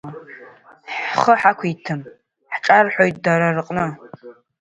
Ҳхы ҳақәиҭым, ҳҿарҳәоит дара рҟны.